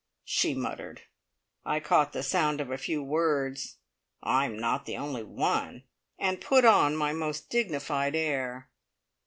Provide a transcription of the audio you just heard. She muttered. I caught the sound of a few words "I'm not the Only One!" and put on my most dignified air.